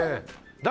誰？